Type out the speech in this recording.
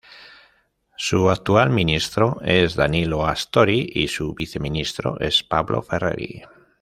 Su actual ministro es Danilo Astori, y su Viceministro es Pablo Ferreri.